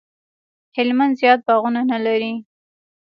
هلمند زیات باغونه نه لري